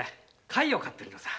貝を飼ってるのさ。